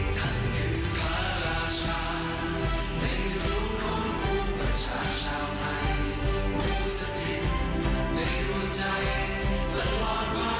ท่านคือพระราชาในรุ่นของภูมิประชาชาไทยภูมิสฤทธิ์ในหัวใจและรอดมา